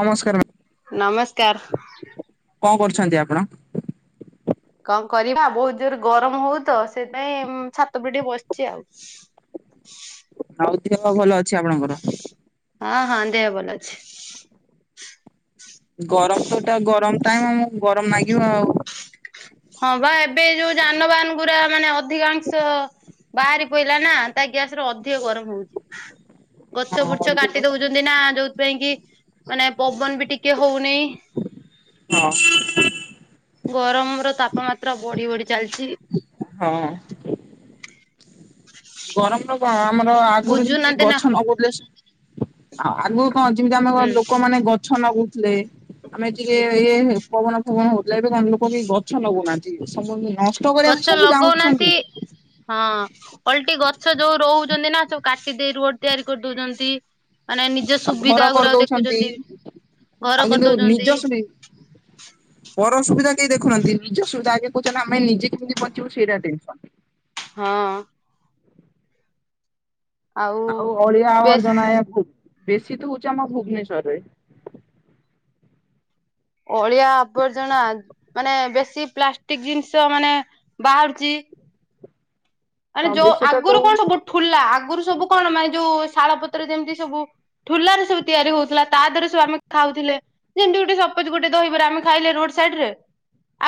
ନମସ୍କାର ମ୍ଯାମ। ନମସ୍କାର। କଣ କରୁଛନ୍ତି ଆପଣ? କଣ କରିବା ବହୁତ ଜୋର ଗରମ ହଉ ତ ସେପାଇଁ ଛାତ ପ ଟିକେ ବସିଛି ଆଉ। ଆଉ ଦେହ ଭଲ ଅଛି ଆପଣଙ୍କର? ହଁ ହଁ ଦେହ ଭଲ ଅଛି। ଗରମ ତଟା ଗରମ ଟାଇମ ଆମ ଗରମ ଲାଗିବ ଆଉ। ହଁ ବା ଏବେ ଯୋଉ ଯାନବାହାନ ଗୁରା ମାନେ ଅଧିକାଂଶ ବାହାରି ପଡିଲା ନା, ତା ଗ୍ୟାସ ରେ ଅଧିକ ଗରମ ହଉଛି। ଗଛ ହଁ ବୁଛ ଅଧିକ କାଟି ଦଉଛନ୍ତି ନା ଯୋଉଥିପାଇଁ କି ମାନେ ପବନ ବି ଟିକେ ହଉନି ହଁ ଗରମ ର ତାପମାତ୍ରା ବଢି ବଢି ଚାଲିଛି। ହଁ ଗରମର କଣ ଆମର ଆଗରୁ ଯେମିତି ବୁଝୁନାହାନ୍ତି ନା ଗଛ ନଗଉଥିଲେ। ଆ ଆଗକୁ କଣ ଯେମିତି ଆମ ହୁଁ ଲୋକ ମାନେ ଗଛ ଗଛ ଲଗୁଥିଲେ। ଆମେ ଟିକେ ଇ ପବନ ଫବନ ହଉଥିଲେ। ଏବେ ଲୋକ କେହି ଗଛ ଗଛ ନଗଉନାହାନ୍ତି, ସବୁ ନଷ୍ଟ କରିବା ଗଛ ପାଇଁ ସବୁ ଚାହୁଛନ୍ତି। ଲଗଉନାହାନ୍ତି ହଁ ଓଲଟି ଗଛ ଯୋଉ ରହୁଛନ୍ତି ନା ସବୁ କାଟି ଦେଇେ ରୋଡ ତିଆରି କରିଦଉଛନ୍ତି। ମାନେ ନିଜ ଆଉ ଘର ସୁବିଧା ଗୁରା କରିଦଉଛନ୍ତି ଦେଖୁଛନ୍ତି ଘର କରିଦଉଛନ୍ତି। ହ ପର ଅସୁବିଧା କେହି ଦେଖୁନାହାନ୍ତି ନିଜ ସୁବିଧା ଆଗେ କହୁଛନ୍ତି ଆମେ ନିଜେ କେମିତି ବଞ୍ଚିବୁ ସେଇଟା ଟେନସନ୍। ହଁ ଆଉ ଅଳିଆ ବେଶ ଆବର୍ଜନା ବେଶୀ ତ ହଉଛି ଆମ ଭୁବନେଶ୍ଵରରେ। ଅଳିଆ ଆବର୍ଜନା ମାନେ ବେଶୀ ପ୍ଲାଷ୍ଟିକ ଜିନିଷ ମାନେ ବାହାରୁଛି ମାନେ ହଁ ଯୋଉ ବେଶୀଟା ତ ଆଗରୁ ହଁ କଣ ସବୁ ଠୁଲା ଆଗରୁ ସବୁ କଣ ମାନେ ଯୋଉ ଶାଳ ପତ୍ର ଯେମିତି ସବୁ ଠୁଲାରେ ସବୁ ତିଆରି ହଉଥିଲା ତା ଦେହରେ ସବୁ ଆମେ ଖାଉଥିଲେ। ଯେମିତି ଗୋଟେ ସପୋଜ ଗୋଟେ ଦହିବାର ଆମେ ଖାଇଲେ ରୋଡ ସାଇଡ ରେ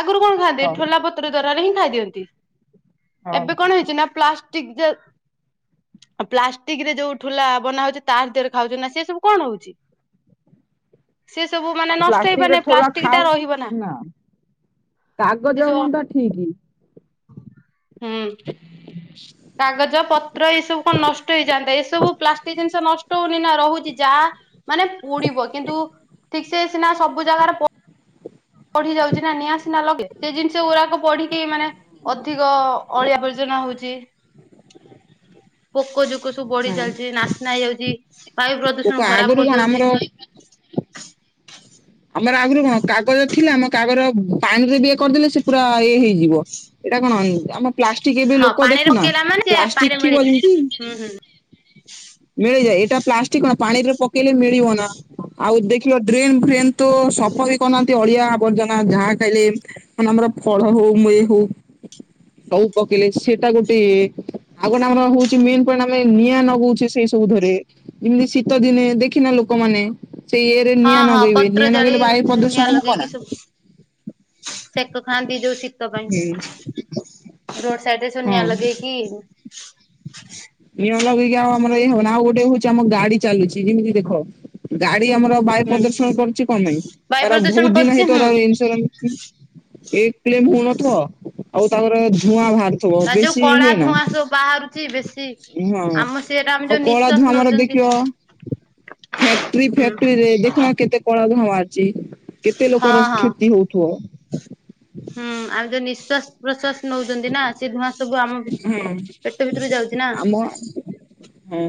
ଆଗରୁ କଣ ଖାନ୍ତି ହଁ ଠୋଲା ପତ୍ର ଦ୍ୱାରାରେ ହିଁ ଖାଇ ଦିଅନ୍ତି। ହଁ ଏବେ କଣ ହେଇଛି ନା ପ୍ଲାଷ୍ଟିକ ଯେ ହଁ ପ୍ଲାଷ୍ଟିଗ୍ ରେ ଯୋଉ ଠୁଲା ବନା ହଉଛି ତାରତିରେ ଖାଉଛ ନା ସିଏ ସବୁ କଣ ହଉଚି? ଆଉ ନଷ୍ଟ ପ୍ଲାଷ୍ଟିକରେ ହେଇପାରୁନି ଠୋଳା ପ୍ଲାଷ୍ଟିକ ଟା ଖାଅ ରହିବ ନା। ସେ କାଗଜ ସବୁ ହୁଅନ୍ତା ଠିକ୍। ହୁଁ। କାଗଜ ପତ୍ର ଏ ସବୁ କନ୍ ନଷ୍ଟ ହେଇଯାନ୍ତା ଏସବୁ ପ୍ଲାଷ୍ଟିକ୍ ଜିନିଷ ନଷ୍ଟ ହଉନି ନା ରହୁଚି ଯାଆ। ମାନେ ପୁଡିବ କିନ୍ତୁ ଠିକ୍ ସେ ସିନା ସବୁ ଜାଗାରେ ପ ପଢି ଯାଉଚି ନା ନିଆସିନା ଲଗେ ସେ ଜିନିଷ ଗୁରାକ ପଢିକି ମାନେ ଅଧିକ ଅଳିଆବର୍ଜନା ହଉଚି। [inaudible] ପୋକ ଜୁକ ସବୁ ବଢି ହଁ ଚାଲିଛି ନାସ୍ନା ହେଇଯାଉଚି ବାୟୁ ଲୋକ ପ୍ରଦୂଷଣ ଖରାପ୍ ଆଗରୁ କଣ ଆମର କରିଦଉଚି। ଆମର ଆଗରୁ କଣ କାଗଜ ଥିଲା ଆମ କାଗର ପାଣି ରେ ବି ଇଏ କରିଦେଲେ ସେ ପୁରା ଇଏ ହେଇଯିବ ଏଇଟା କଣ ଆମ ପ୍ଲାଷ୍ଟିଗ୍ ଏବେ ହଁ ଲୋକ ପାଣିରେ ଦେଖୁନା ପକେଇଲା ମାନେ ସେ ପ୍ଲାଷ୍ଟିକ୍ ପାଣିରେ ଥିବ ମିଳେ ଯେମିତି ହୁଁ ହୁଁ। [unintelligible] ମିଳେଇ ଯାଏ ଏଇଟା ପ୍ଲାଷ୍ଟିକ୍ କଣ ପାଣିରେ ପକେଇଲେ ମିଳିବ ନା ଆଉ ଦେଖିବ ଡ୍ରେନ୍ ଫ୍ରେନ୍ ତ ସପ ବି କରୁନାହାନ୍ତି ଅଳିଆ ଆବର୍ଜନା ଯାହା ଖାଇଲେ ମାନେ ଆମର ଫଳ ହଉ ମେ ହଉ ସବୁ ପକେଇଲେ ସେଟା ଗୋଟେଏ ଆଉ ଗନେ ଆମର ହଉଛି ମେନ୍ ପଏଣ୍ଟ୍ ଆମେ ନିଆଁ ନଗଉଛେ ସେଇ ସବୁ ଧୁରେ। ଯିମିତି ଶୀତ ଦିନେ ଦେଖିନା ଲୋକମାନେ ସେଇ ଏରେ ହଁ ନିଆଁ ହଁ ନଗେଇବେ। ନିଆ ନଗେଇଲେ ବାୟୁ ପ୍ରଦୂଷଣ ହବାନା। ସେଖ ଖାନ୍ତି ଯଉ ସି ତ ପାଇଁ ହୁଁ ରୋଡ୍ ସାଇଟ୍ ରେ ସ ନିଆ ହଁ। ଲଗେଇ କିି ନିଁଅ ଲଗେଇକି ଆଉ ଆମର ଏଇ ହବ ଆଉ ଗୋଟେ ହଉଛି ଆମର ଗାଡି ଚାଲୁଛି ଯେମିତି ଦେଖ ଗାଡି ଆମର ବାୟୁ ପ୍ରଦୂଷଣ କରୁଛି କମେଇ ବାୟୁ ଏର ବହୁ ପ୍ରଦୂଷଣ ଦିନ କରୁଛି ହୁଁ। ହେଇ ଇନ୍ସୁରାନ୍ସ ଏ କ୍ଳେମ୍ ହୁ ନଥ ଆଉ ତାପରେ ଧୂଆଁ ବାହା ତା ଯୋଉ କଳା ଧୂଆଁ ସବୁ ବାହାରୁଚି ବେଶୀ ହଁ-ହଁ ଆମ ସେଟା ଆମେ ଆଉ ଯୋଉ କଳା ନିଶ୍ଵାସ ଧୁଆଁ ଆମର ନଉଛନ୍ତି ଦେଖିବ ଫ୍ୟାକ୍ଟ୍ରି ହୁଁ ଫ୍ୟାକ୍ଟ୍ରିରେ ଦେଖୁନ କେତେ କଳା ଧୂଆଁ ମାଚି କେତେ ହଁ ଲୋକର ହଁ। କ୍ଷତି ହଉଥିବ। ହୁଁ ଆଉ ଯୋଉ ନିଶ୍ଵାସ୍ ପ୍ରଶ୍ଵାସ୍ ନଉଚନ୍ତି ନା ସେ ଧୂଆଁ ସବୁ ଆମ ପେଟ ହୁଁ ଭିତରୁ ଯାଉଛି ନା। ଆମ ହଁ।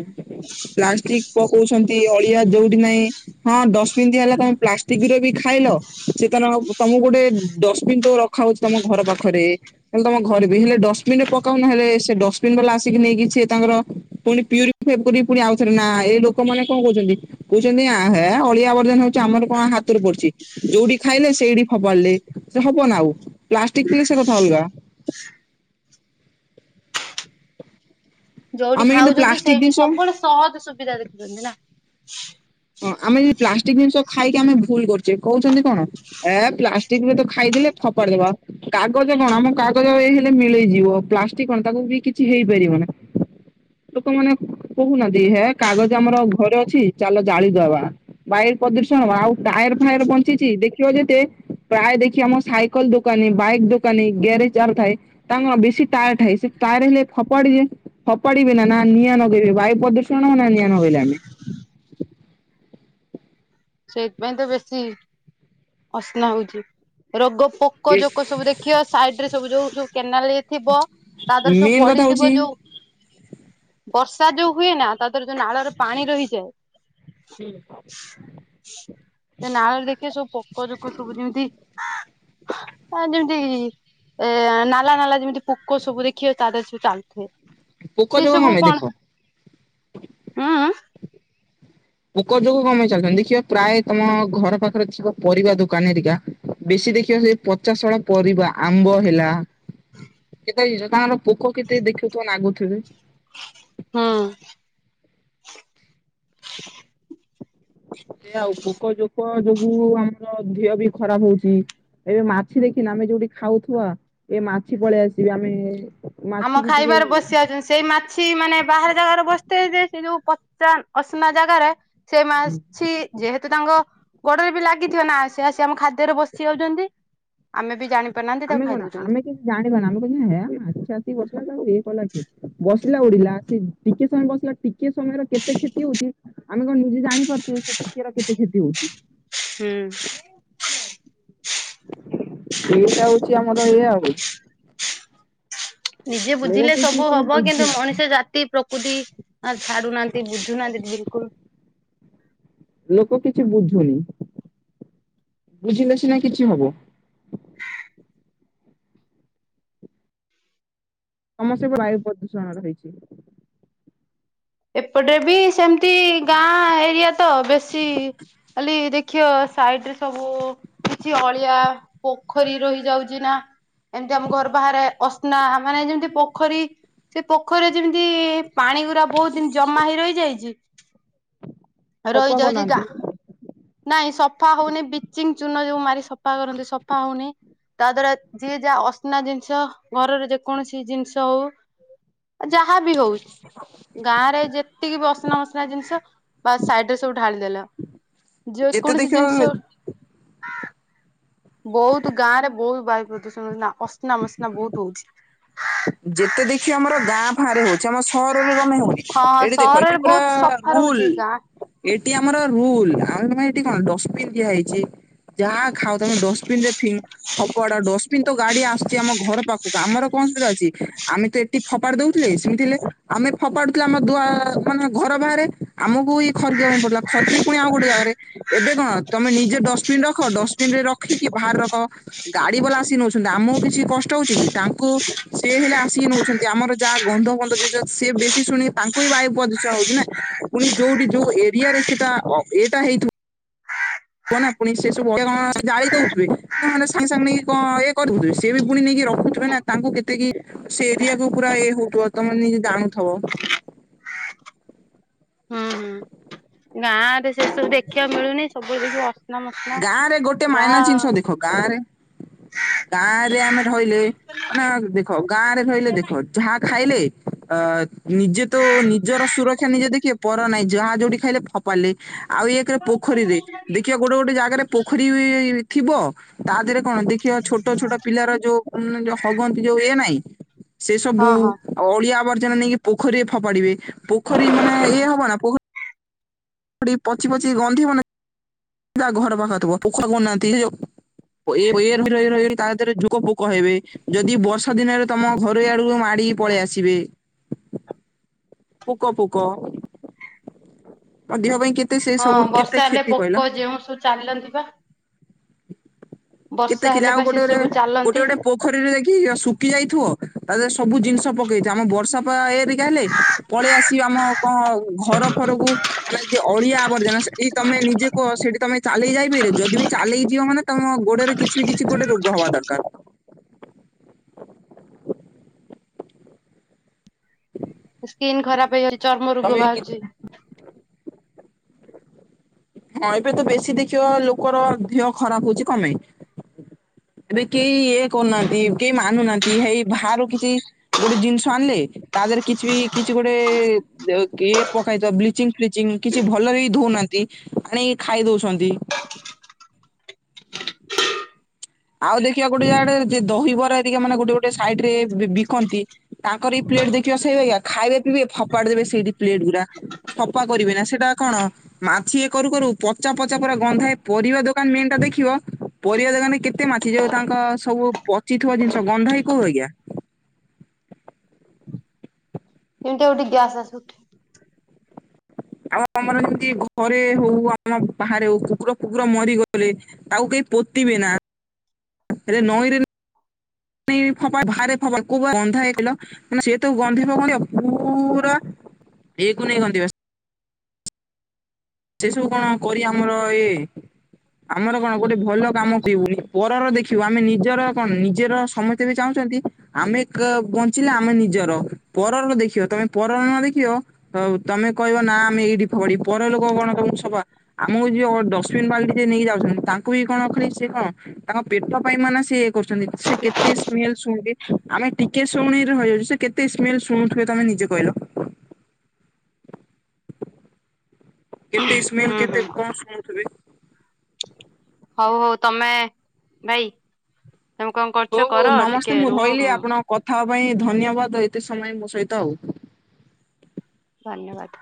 ପ୍ଲାଷ୍ଟିକ୍ ପକଉଛନ୍ତି ଅଳିଆ ଯୋଉଠି ନାହିଁ ହଁ ଡସ୍ ବିନ୍ ଦିଆ ହେଲା ତମେ ପ୍ଲାଷ୍ଟିକ୍ ର ବି ଖାଇଲ। ସେ ତ ର ତମକୁ ଗୋଟେ ଡଷ୍ଟବିନ୍ ତ ରଖା ହଉଛି ତମ ଘର ପାଖରେ। ହେଲେ ତମ ଘରେ ବି ହେଲେ ଡଷ୍ଟବିନ୍ ରେ ପକାଉନ ହେଲେ ସେ ଡଷ୍ଟବନ୍ ବାଲା ଆସିକି ନେଇକି ସିଏ ତାଙ୍କର ପୁଣି ପିଅରି ଫେବରି ପୁଣି ଆଉଥରେ ନା ଏଇ ଲୋକମାନେ କଣ କହୁଚନ୍ତି। କଉଚନ୍ତି ଆ ହେ ଅଳିଆ ବର୍ଜନା ହଉଚି ଆମର କଣ ହାତରୁ ପଡ଼ୁଚି। ଯୋଉଠି ଖାଇଲେ ସେଇଠି ଫବାଲେ ସେ ହବ ନା ଆଉ ପ୍ଲାଷ୍ଟିକ୍ ପିଲେ ସେ କଥା ଅଲଗା। ଯଉଠି ଆମେ କିନ୍ତୁ ଖାଉଚନ୍ତି ପ୍ଲାଷ୍ଟିକ ସେଇଠି ଜିନିଷ ସବୁବେଳେ ସହଜ ସୁବିଧା ଦେଖୁଚନ୍ତି ନା। ହଁ ଆମେ ଇ ପ୍ଲାଷ୍ଟିକ୍ ଜିନିଷ ଖାଇକି ଆମେ ଭୁଲ୍ କରୁଚେ କହୁଛନ୍ତି କଣ। ଏ ପ୍ଲାଷ୍ଟିକ୍ ରେ ତ ଖାଇଦଲେ ଫଫାଡି ଦବା। କାଗଜ କଣ ଆମ କାଗଜ ହେଇଲେ ମିଳେଇ ଯିବ ପ୍ଲାଷ୍ଟିକ୍ କଣ ତାକୁ ବି କିଛି ହେଇପାରିବ ନା। ଲୋକମାନେ କହୁନାହାନ୍ତି ହେ କାଗଜ ଆମର ଘରେ ଅଛି ଚାଲ ଜାଳିଦବା। ବାୟୁ ପ୍ରଦୂଷଣ ଆଉ ଟାୟର୍ ଫାୟାର୍ ବଞ୍ଚିଚି ଦେଖିବ ଯେତେ ପ୍ରାୟ ଦେଖିଆ ମ ସାଇକଲ ଦୋକାନୀ ବାଇକ୍ ଦୋକାନୀ ଗ୍ୟାରେଜ୍ ଯାହାର ଥାଏ। ତାଙ୍କର ବେଶୀ ଟାୟା ହେଇଛି ସେ ଟାୟାର ହେଲେ ଫପାଡି ରେ ଫପାଡିବେ ନା ନା ନିଆଁ ନଗେଇ‌ବେ ବାୟୁ ପ୍ରଦୂଷଣ ନା ନିଆଁ ନଗଇଲେ ଆମେ। ସେଇତ୍ ପାଇଁ ତ ବେଶୀ ଅସ୍ନା ହଉଚି ରୋଗ ପ ପୋକ ଜୋକ ସବୁ ଦେଖିବା ସାଇଡ୍ ରେ ସବୁ ଯୋଉ ଯୋଉ କେନାଲରେ ଥିବ। ତା ଦରେ ସବୁ ମେନ୍ କଥା ପଢିଥିବ ହଉଛି ଯୋଉ। ବର୍ଷା ଯୋଉ ହୁଏ ନା ତା ଦରେ ଯୋଉ ନାଳରେ ପାଣି ରହିଯାଏ। [unintelligible] ସେ ନାଳରେ ଦେଖିବେ ସବୁ ପୋକ ଜୋକ ସବୁ ଯେମିତି। ଆ ଯେମିତି ଏ ନାଲା ନାଲା ଯେମିତି ପୋକ ସବୁ ଦେଖିବେ ତା ଦେହେରେ ସେମିତି ଚାଲୁଥିବେ। ପୋକ ସେଇ ଯୋକ ସବୁ [unintelligible] ପାଇଁ କଣ ଦେଖ। ହୁଁ ପୋକ ଯୋକ କଣ ପାଇଁ ଚାଲୁଥାନ୍ତି ଦେଖିବା ପ୍ରାୟ ତମ ଘର ପାଖରେ ଥିବା ପରିବା ଦୋକାନେ ହେରିକା। ବେଶୀ ଦେଖିବ ସେ ପଚାଶଢା ପରିବା ଆମ୍ବ ହେଲା। ସେଇ ସେ ତାଙ୍କର ପୋକ କେତେ ଦେଖୁଥୁବ ନାଗୁଥିବେ। ହଁ। [inaudible] ସେ ଆଉ ପୋକ ଜୋକ ଯୋଗୁ ଆମର ଦିହ ବି ଖରାପ ହଉଛି। ଏବେ ମାଛି ଦେଖିନା ଆମେ ଯୋଉଠି ଖାଉଥୁବା ଏ ମାଛି ପଳେଇ ଆସିବେ ଆମେ ମାଛି ଆମ ବି ଖାଇବାରେ ବସି ଟିକେ ଆଉଛନ୍ତି ସେଇ ମା ଛି ମାନେ ବାହାର ଜାଗାରେ ବସିଥିବେ ଯେ ସେ ଯୋଉ ପଚା ଅସନା ଜାଗାରେ ସେ ମାଛି ଯେହେତୁ ତାଙ୍କ ଗୋଡରେ ବି ଲାଗିଥିବ ନା ସେ ଆସି ଆମ ଖାଦ୍ୟରେ ବସି ଯାଉଚନ୍ତି। ଆମେବି ଜାଣି ଆମେ କଣ ଆମେ ଜାଣିଛ ନା ଆମେ କହୁଛନ୍ତି ହେ ମାଛି ଆସି ବସିଲା ହେ ଲାଗିବ କି ବସିଲା ଉଡିଲା ସେ ଟିକେ ସମୟ ବସିଲା ଟି ଟିକିଏ ସମୟରେ କେତେ କ୍ଷତି ହଉଛି ଆମେ କଣ ନିଜେ ଜାଣିପାରୁଛେ ସେ ଟିକିଏର କେତେ କ୍ଷତି ହଉଛି। ହୁଁ। ସେଇଟା ହଉଛି ଆମର ଏଇଆ ଉ ହଉଚି। ନିଜେ ଲୋକ ବୁଝିଲେ କିଛି ସବୁ କେହି ହବ କିନ୍ତୁ ବୁଝୁନାହାନ୍ତି ମଣିଷ ଜାତି। ପ୍ରକୃତି ଆ ଛାଡୁନାହାନ୍ତି ବୁଝୁନାହାନ୍ତି ବିଲକୁଲ। ଲୋକ କିଛି ବୁଝୁନି ବୁଝିଲେ ସିନା କିଛି ହବ। ସମସ୍ତେ ବାୟୁ ପ୍ରଦୂଷଣର ହେଇଛି। ଏପଟେ ବି ସେମିତି ଗାଁ ଏରିଆ ତ ବେଶୀ ଖାଲି ଦେ ଖିବ ସାଇଟରେ ସବୁ କିଛି ଅଳିଆ ପୋଖରୀ ରହିଯାଉଛି ନା। ଏମତି ଆମ ଘର ବାହାରେ ଅସ୍ନା ମାନେ ଯେମିତି ପୋଖରୀ। ସେ ପୋଖରୀରେ ଯେମିତି ପାଣି ଗୁଡା ବହୁତ ଯେମତି ଜମା ହେଇ ରହିଯାଇଛି। ସଫା ରହିଯାଉଛି କରୁନାହାନ୍ତି ଗାଁ ନାଇଁ ସଫା ହଉନି ବିଚିଂ ଚୁନ ଯୋଉ ମାରି ସଫା କରନ୍ତି ସଫା ହଉନି। ତା ଦ୍ଵାରା ଯିଏ ଯାହା ଅସନା ଜିନିଷ ଘରର ଯେକୌଣସି ଜିନିଷ ହଉ ଯାହା ବି ହଉ [inaudible] ଗାଁ ରେ ଯେତିକି ବି ଅସନା ମସନା ଜିନିଷ ବା ସାଇଟରେ ସବୁ ଢାଳିଦେଲ। ଯେତେ ଯେକୌଣସି ଦେଖିବ ଜିନିଷ ବହୁତ ଗାଁ ରେ ବହୁତ ବାୟୁ ପ୍ରଦୂଷଣ ନା ଅସନା ମସନା ବହୁତ ହଉଛି। ଯେତେ ଦେଖିବ ଆମର ଗାଁ ଫାଁରେ ହଉଛି। ଆମ ସହରରେ କଣ ପାଇଁ ହଉନି? ଏଠି ଦେଖ ଏଠି ପୁରା ରୁଲ ଆ ଏଠି ଆମର ରୁଲ। ଆମେ ଏଠି କଣ ଡଷ୍ଟପିନ୍ ଦିଆ ହେଇଛି। ଯାହା ଖାଉ ତାକୁ ଡଷ୍ଟବିନ ରେ ଫି ଫୋପାଡ଼ ଡଷ୍ଟବିନ ତ ଗାଡି ଆସୁଛି ଆମ ଘର ପାଖକୁ ଆମର କଣ ଅସୁବିଧା ଅଛି। ଆମେ ତ ଏଠି ଫୋପାଡି ଦଉଥିଲେ। ସେମିତି ହେଲେ ଆମେ ଫୋପାଡୁଥିଲେ ଆମ ଦୁଆ ମାନେ ଘର ବାହାରେ। ଆମକୁ ହିଁ ଖରକିବା ପାଇଁ ପଡିବ। ଖରକି ପୁଣି ଆଉ ଗୋଟେ ଜାଗାରେ। ଏବେ କଣ ତମେ ନିଜେ ଡଷ୍ଟବିିନ ରଖ। ଡଷ୍ଟବିନ ରେ ରଖିକି ବାହାରେ ରଖ। ଗାଡି ବାଲା ଆସି ନଉଛନ୍ତି। ଆମକୁ କିଛି କଷ୍ଟ ହଉଛି କି ତାଙ୍କୁ ସେ ହେଲେ ଆସିକି ନଉଛନ୍ତି। ଆମର ଯାହା ଗନ୍ଧ ଫନ୍ଧ ଜିନିଷ ସିଏ ବେଶୀ ଶୁଣି ତାଙ୍କୁ ହିଁ ବାୟୁ ପ୍ରଦୂଷଣ ହଉଛି ନା। ପୁଣି ଯୋଉଠି ଯୋଉ ଏରିଆରେ ସେଇଟା ଅ ଏଟା ହେଇଥିବ କୁହ ନା ପୁଣି ସେ ସବୁ ଅଳିଆ କଣ ଜାଳି ଦଉଥିବେ। ନହେଲେ ସାଙ୍ଗେ ସାଙ୍ଗେ ନେଇକି କଣ ଇଏକରିଦଉଥିବେ। ସେ ବି ପୁଣି ନେଇକି ରଖୁଥିବେ ନା ତାଙ୍କୁ କେତିକି ସେ ଏରିଆକୁ ପୁରା ଇଏ ହଉଥିବ ତମେ ନି ଜାଣୁଥିବ? ହୁଁ ହୁଁ। ଗାଁ ରେ ସେ ସବୁ ଦେଖିବାକୁ ମିଳୁନି ସବୁ ଜିନିଷ ଗାଁ ରେ ଗୋଟେ ମାଇନର ଜିନିଷ ଦେଖ ଗାଁ ରେ। ଗାଁ ରେ ଆମେ ରହିଲେ ମାନେ ଦେଖ ଗାଁ ରେ ରହିଲେ ଦେଖ। ଯାହା ଖାଇଲେ ଅ ନିଜେ ତୁ ନିଜର ସୁରକ୍ଷା ନିଜେ ଦେଖିବେ। ପର ନାହିଁ ଯାହା ଯୋଉଠି ଖାଇଲେ ଫପାଡିଲେ ଆଉ ଏକରେ ପୋଖରୀରେ ଦେଖିବ ଗୋଟେ ଗୋଟେ ଗୋଟେ ଜାଗାରେ ପୋଖରୀ ବି ଥିବ ତା ଦେହରେ କଣ ଦେଖିବା ଛୋଟ ଛୋଟ ପିଲାର ଯୋଉ ଯୋଉ ହଗନ୍ତି ଯୋଉ ଏ ନାଇଁ ସେ ସବୁ ହଁ ହଁ। ଅଳିଆ ଆବର୍ଜନ ନେଇକି ପୋଖରୀରେ ଫୋପାଡିବେ ପୋଖରୀ ମାନେ ଇଏ ହବ ନା ପୋ ପୋଖରୀ ପଚି ପଚି ଗନ୍ଧିବ ନାଇ। ତା ଘର ପାଖ ଥିବ ପୋଖର କୁ ନାହାନ୍ତି ଆଉ ଓଏ ଓଏ ରେ [unintelligible] ତା ଦେହରେ ଯୁଗକୁ କହିବି। ଯଦି ବର୍ଷା ଦିନରେ ତମ ଘରେ ଆଡକୁ ମାଡିକି ପଳେଇ ଆସିବେ। ପୋକ ଫୋକ ତା ଦେହ ପାଇଁ କେତେ ସେ ସବୁ କେତେ କ୍ଷତି କହିଲ? ପାଲର୍ ଯିବା? କେତେ ଥିଲା ହେଲେ ଆଉ ବା ସେ ଗୋଟେ ଗୋଟେ କରେ ସବୁ ଗୋଟେ ଚାଲନ୍ତି। ଗୋଟେ ପୋଖରୀରେ କି ଏ ଶୁଖି ଯାଇଥିବ ତାଦେହରେ ସବୁ ଜିନିଷ ପକେଇଥିବ ଆମ ବର୍ଷା ପା ହେରିକା ହେଲେ। ପଳେଇ ଆସିବି ଆମ କଣ ଘର ଫରକୁ। ଲାଗେ ଅଳିଆ ଆବର୍ଜନା ସେଠି ତମେ ନିଜେ କୁହ ସେଠି ତମେ ଚାଲିକି ଯାଇପାରିବ ଯଦି ବି ଚାଲିକି ଝିଅ ମାନେ ତମ ଗୋଡରେ କିଛି ବି କିଛି ଗୋଟେ ରୋଗ ହେବା ଦରକାର। ସ୍କିନ୍ ଖରାପ ହେଇଯାଉଛି ଚର୍ମ ତମେ ରୋଗ ବି ବାହାରୁଛି। ହଁ ଏବେ ତ ବେଶୀ ଦେଖିବ ଲୋକର ଦିହ ଖରାପ ହଉଛି କଣ ପାଇଁ। ଏବେ କେହି ଇଏ କରୁନାହାନ୍ତି କେହି ମାନୁନାହାନ୍ତି ହେଇ ବାହାରୁ କିଛି ଗୋଟେ ଜିନିଷ ଆଣିଲେ ତାଦେହରେ କିଛି ବି କିଛି ଗୋଟେ [unintelligible] କିଏ ପକାଇଥବ ବ୍ଲିଚିଂ ଫ୍ଚିଂଚିଙ୍ଗି କିଛି ଭଲ ବି ଦଉନାହାନ୍ତି ଆଣିକି ଖାଇ ଦଉଛନ୍ତି। ଆଉ ଦେଖିବା ଗୋଟେ ଆଡେ ଯେ ଦହିବରା ଟିକେ ମାନେ ଗୋଟେ ଗୋଟେ ସାଇଡି ରେ ବି ବିିକନ୍ତି। ତାଙ୍କର ବି ପ୍ଲେଟ ଦେଖିବା ସେଇ ଭାଗିଆ ଖାଇବେ ପିଇବେ ଫପାଡି ଦେବେ ସେଇଠି ପ୍ଲେଟ୍ ଗୁରା। ସଫା କରିବି ନା ସେଟା କଣ ମାଛି ଇ କରୁ କରୁ ପଚା ପଚା ପୁରା ଗନ୍ଧାଏ ପରିବା ଦୋକାନ ମିନ୍ ଟା ଦେଖିବ ପରିବା ଦୋକାନରେ କେ କେତେ ମାଛି ଯୋଉ ତାଙ୍କ ସବୁ ପଚିଥିବା ଜିନିଷ ଗନ୍ଧାଏ କୋଉ ଵାଗିଆ। ଏମିତି ଗୋଟେ ଗ୍ୟାସ ଆସୁ। ଆମ ଆମର ଏମିତି ଘରେ ହଉ ଆମ ବାହାରେ ହଉ କୁକୁର ଫୁକୁର ମରିଗଲେ। ଆଉ କେହି ପୋତିବେ ନା ହେଲେ ନଈରେ [unintelligible] ଫପାଡେ ଭାରେ ଫପାଲେ କୋଵା ବନ୍ଧା ହେଇଥିଲ। ମାନେ ସେ ତ ଗନ୍ଧିବ କଣ ପୁରା ଇକୁ ନେଇ ଗନ୍ଧିବ। ସେ ସବୁ କଣ କରି ଆମର ଏଇ ଆମର କଣ ଗୋଟେ ଭଲ କାମ ପିଇବୁନି ପରର ଦେଖିବୁ ଆମେ ନିଜର କଣ ନିଜର ସମ ଏବେ ବି ଚାହୁଁଚନ୍ତି। ଆମେ କ ବଞ୍ଚିଲେ ଆମେ ନିଜର ପରର ଦେଖିବ ତମେ ପରର ନ ଦେଖିବ। ହଉ ତମେ କହିବ ନା ଆମେ ଏଇଠି ପଡି ପର ଲୋ କଣ ତମକୁ କଣ ସଭା ଆମକୁ ଯିଏ ଡଷ୍ଟବିନ୍ ବାଲଟି ଯିଏ ନେଇକି ଯାଉଛନ୍ତି ତାଙ୍କୁ ବି କଣ ଖାଲି ସେ କଣ ତାଙ୍କ ପେଟ ପାଇଁ ମାନେ ସି ଇଏ କରୁଛନ୍ତି ସେ କେତେ ସ୍ମେଲ ଶୁଣି ଆମେ ଟିକେ ଶୁଣିରଇ ସେ କେତେ ସ୍ମେଲ ଶୁଣୁଥିବେ ତମେ ନିଜେ କହିଲ? କେତେ ସ୍ମେଲ ହୁଁ ହୁଁ କେତେ କଣ ଶୁଣୁଥିବି। ହଉ ହଉ ତମେ ଭାଇ ତମେ କଣ ହଉ କରୁଛ ହଉ କର ନମସ୍ତେ ଟିକେ ରୁହ ରହିଲି ମୁଁ ଆପଣଙ୍କ କଥା ହେବା ପାଇଁ ଧନ୍ୟବାଦ ଏତେ ସମୟ ମୋ ସହିତ ଆଉ। ଧନ୍ୟବାଦ।